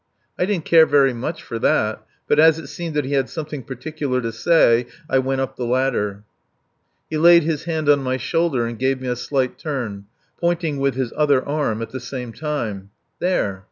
I didn't care very much for that, but as it seemed that he had something particular to say I went up the ladder. He laid his hand on my shoulder and gave me a slight turn, pointing with his other arm at the same time. "There!